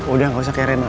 udah gak usah keren lah